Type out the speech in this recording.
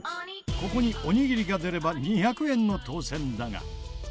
ここにおにぎりが出れば２００円の当せんだが。